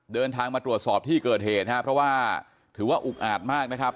เดินทางมาตรวจสอบที่เกิดเหตุนะครับเพราะว่าถือว่าอุกอาจมากนะครับ